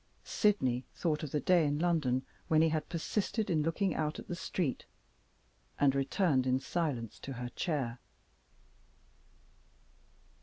Sydney thought of the day in London when he had persisted in looking out at the street, and returned in silence to her chair.